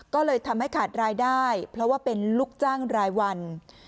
ก็เลยทำให้ขาดรายได้เพราะว่าเป็นลูกจ้างรายวัน